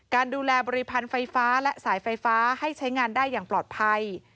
การดูแลบริพันธ์ไฟฟ้าและสายไฟฟ้าให้ใช้งานได้อย่างปลอดภัย